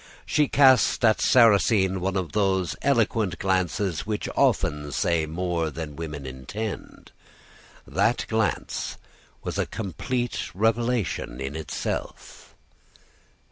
She cast at Sarrasine one of those eloquent glances which often say more than women intend. That glance was a complete revelation in itself.